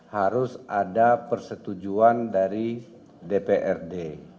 harus ada persetujuan dari dprd